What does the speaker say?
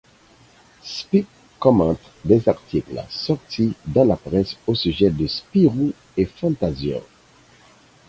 Spip commente des articles sortis dans la presse au sujet de Spirou et Fantasio.